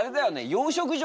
養殖場。